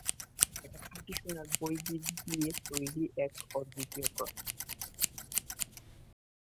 এটা খাঁটি-সোনার বেদী দিয়ে তৈরি এক অদ্বিতীয় ক্রস।